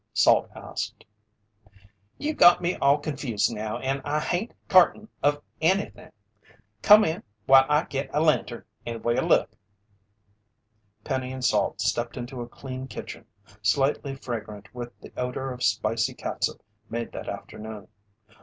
Salt asked. "You got me all confused now, and I hain't cartain of anything. Come in while I get a lantern, and we'll look!" Penny and Salt stepped into a clean kitchen, slightly fragrant with the odor of spicy catsup made that afternoon.